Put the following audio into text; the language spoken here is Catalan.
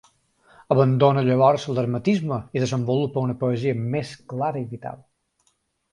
Abandona llavors l'hermetisme i desenvolupa una poesia més clara i vital.